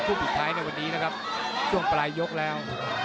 สุดท้ายในวันนี้นะครับช่วงปลายยกแล้ว